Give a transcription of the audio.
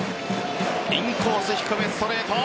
インコース、低めストレート。